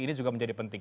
ini juga menjadi penting